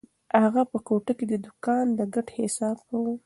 اغا په کوټه کې د دوکان د ګټې حساب کاوه.